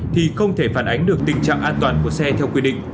thì không thể phản ánh được tình trạng an toàn của xe theo quy định